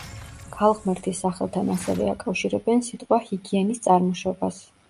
ქალღმერთის სახელთან ასევე აკავშირებენ სიტყვა „ჰიგიენის“ წარმოშობას.